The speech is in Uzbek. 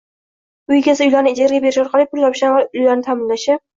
Uy egasi uylarni ijaraga berish orqali pul topishdan avval uylarini ta’mirlashi